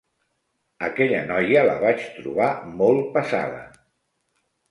Aquella noia, la vaig trobar molt passada.